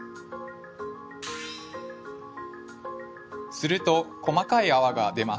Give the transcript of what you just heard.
すると細かいあわが出ます。